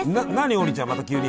王林ちゃんまた急に。